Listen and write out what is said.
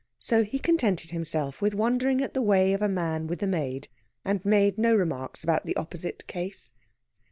So he contented himself with wondering at the way of a man with a maid, and made no remarks about the opposite case.